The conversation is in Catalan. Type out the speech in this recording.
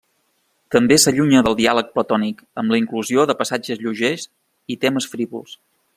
També s'allunya del diàleg platònic amb la inclusió de passatges lleugers i temes frívols.